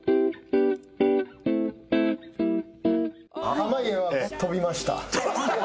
濱家はとびました。